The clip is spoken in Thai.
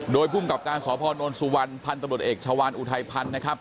โดยภูมิกับการสพนสุวรรณพันธุ์ตำรวจเอกชาวานอุทัยพันธ์นะครับ